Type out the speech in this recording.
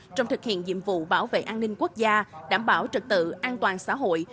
trong thực hiện nhiệm vụ bảo vệ an ninh quốc gia đảm bảo trật tự an toàn xã hội